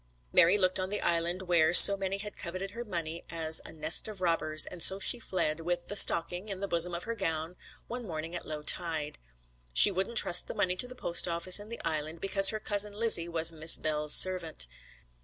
Mary looked on the Island where so many had coveted her money as a 'nest of robbers,' and so she fled, with 'the stocking' in the bosom of her gown, one morning at low tide. She wouldn't trust the money to the post office in the Island, because her cousin Lizzie was Miss Bell's servant.